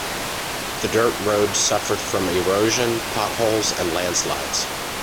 The dirt road suffered from erosion, potholes and landslides.